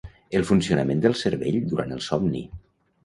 el funcionament del cervell durant el somni